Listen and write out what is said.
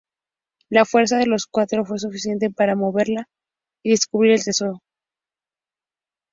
La fuerza de los cuatro fue suficiente para moverla y descubrir el tesoro.